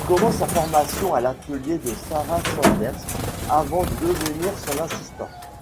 Il commence sa formation à l'atelier de Sarah Sanders, avant de devenir son assistant.